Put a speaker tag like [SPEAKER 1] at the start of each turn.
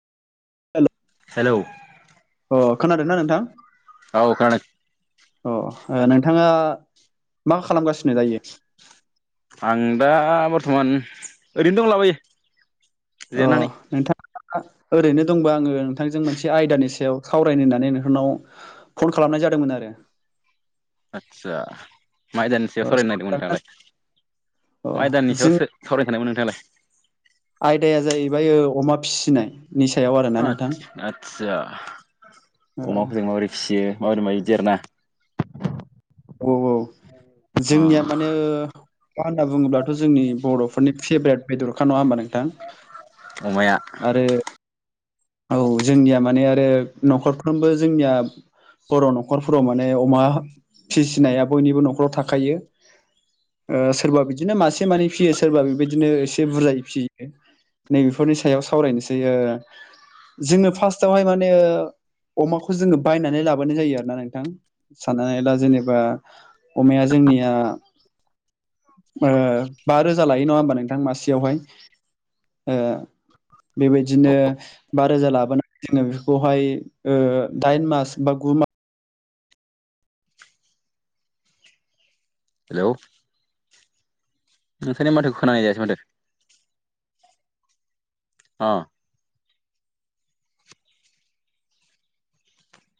[SPEAKER 1] हेल'
[SPEAKER 2] hello
[SPEAKER 1] अ खोनादों ना नोंथां
[SPEAKER 2] औाव कान
[SPEAKER 1] अ नोंथाङा मा खालामगासिनो जायो
[SPEAKER 2] आं दा बर्थमान ओरैनो दंलाबायो
[SPEAKER 1] अ
[SPEAKER 2] जिरायनानै
[SPEAKER 1] नोंथां ओरैनो दंबा आङो नोंथांजों मोनसे आयदानि सायाव सावरायनो होननानै नोंथांनाव फन खालामनाय जादोंमोन आरो
[SPEAKER 2] आदसा माइ दाननि
[SPEAKER 1] अ
[SPEAKER 2] सायाव सरायनो नागिरदों
[SPEAKER 1] सावरायजागोन।
[SPEAKER 2] नोंथांालाय
[SPEAKER 1] अ
[SPEAKER 2] माइदनि
[SPEAKER 1] जों
[SPEAKER 2] सायावसो सावरायखानायमोन नोंथालाय
[SPEAKER 1] आयदाया जाहैबाय अमा फिसिनाय नि सायाव आरो
[SPEAKER 2] [unintelligible] फिसियो
[SPEAKER 1] ओ
[SPEAKER 2] माबोरै मायो इदि आरोना।
[SPEAKER 1] औ औ
[SPEAKER 2] अ
[SPEAKER 1] जोंनिया मानो अमा होनना बुङोब्लाथ' जोंनि बर'फोरनि फेभरेट बेद'रखा नङा होनबा नोंथां?
[SPEAKER 2] अमाया
[SPEAKER 1] आरो औ जोंनिया माने आरो न'खरफ्रोमबो जोंनिया बर' न'खरफोराव माने अमा फिसिनाया बयनिबो न'खराव थाखायो। ओ सोरबा बिदिनो मासे मानै फियो सोरबा बेबायदिनो एसे बुरजायै फियो। नैबेफोरनि सायाव सावरायनोसै ओ जोङो फार्स्टावहाय माने अमाखौ जोङो बायनानै लाबोनाय जायो आरोना नोंथां। साननानै ला जेनेबा अमाया जोंनिया ओ बा रोजा लाय [unintelligible] नङा होमबा नोंथां मासेयावहाय ओ बेबायदिनो बा [unintelligible] बेखौहाय ओ दाइन मास बा गु मा
[SPEAKER 2] हेलौ नोंथांनि माथोखो खोनानाय जायासै माथो? अ